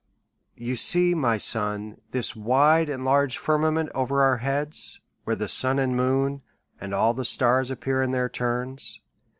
You see, my son, this wide and large firmament over our heads, where the sun and moon, and all the stars appear in their turns.